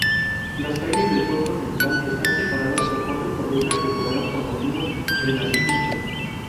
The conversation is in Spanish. Las calles del cuerpo central están separadas por cuatro columnas decoradas con motivos renacentistas.